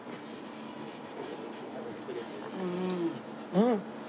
うん！